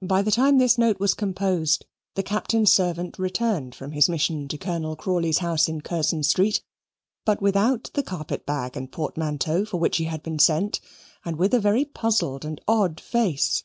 By the time this note was composed, the Captain's servant returned from his mission to Colonel Crawley's house in Curzon Street, but without the carpet bag and portmanteau, for which he had been sent, and with a very puzzled and odd face.